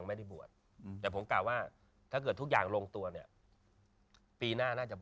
มึงทำไปแค่๒ข้อเองครับ